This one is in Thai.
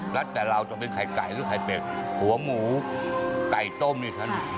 แล้วแต่เราจะเป็นไข่ไก่หรือไข่เป็ดหัวหมูไก่ต้มนี่ครับ